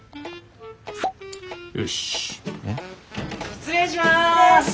失礼します！